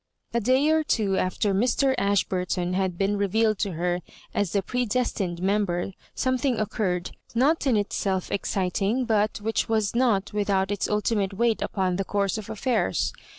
A day or two after Mr. Ashburton had been revealed to her as the predestined member, something occurred, not in itself exciting, but which was not without its ultimate weight upon the course of affairs.